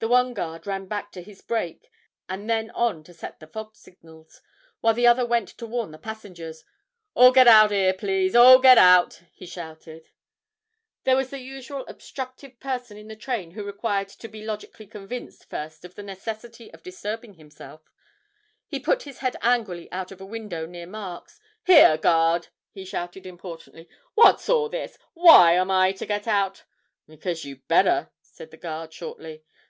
The one guard ran back to his break, and then on to set the fog signals, while the other went to warn the passengers. 'All get out 'ere, please; all get out!' he shouted. There was the usual obstructive person in the train who required to be logically convinced first of the necessity for disturbing himself; he put his head angrily out of a window near Mark's: 'Here, guard!' he shouted importantly; 'what's all this? Why am I to get out?' 'Because you'd better,' said the guard, shortly.